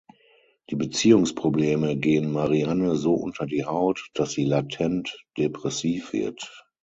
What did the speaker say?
Die Beziehungsprobleme gehen Marianne so unter die Haut, dass sie latent depressiv wird.